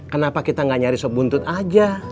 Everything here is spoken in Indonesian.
kenapa kita gak nyari sop buntut aja